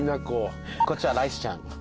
こっちはライスちゃん。